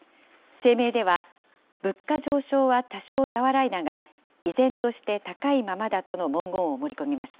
声明では、物価上昇は多少和らいだが、依然として高いままだとの文言を盛り込みました。